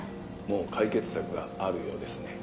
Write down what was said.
もう解決策があるようですね。